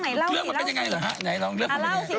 อ่าเล่าสิ